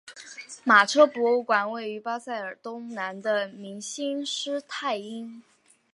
马车博物馆位于巴塞尔东南的明兴施泰因。